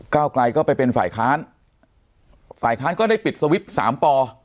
ไกลก็ไปเป็นฝ่ายค้านฝ่ายค้านก็ได้ปิดสวิตช์สามปอ